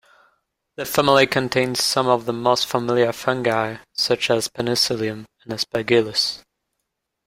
The family contains some of the most familiar fungi, such as "Penicillium" and "Aspergillus".